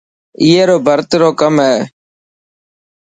اي رو ڀرت رو ڪم ڪري.